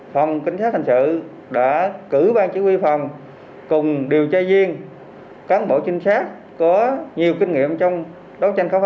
phòng kinh tế thành sự đã cử ban chữ quy phòng cùng điều tra viên cán bộ trinh sát có nhiều kinh nghiệm trong đấu tranh khóa phá